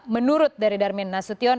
menurut dari darmin nasution